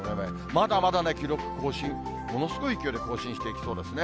まだまだ記録更新、ものすごい勢いで更新していきそうですね。